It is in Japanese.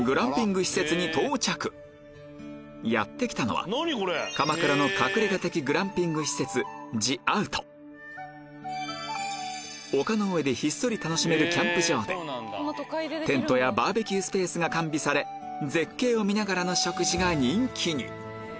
やって来たのは鎌倉の隠れ家的グランピング施設丘の上でひっそり楽しめるキャンプ場でテントやバーベキュースペースが完備されハハハハ！